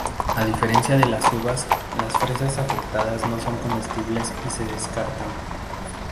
A diferencia de las uvas, las fresas afectadas no son comestibles y se descartan.